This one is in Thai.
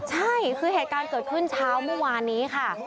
ใช่คือเหตุการณ์เกิดขึ้นเช้าเมื่อวานนี้ค่ะ